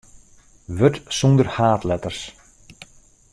Wurd sonder haadletters.